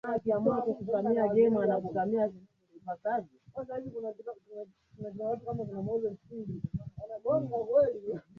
utawapa fursa korea kaskazini kuwashambulia kwa urahisi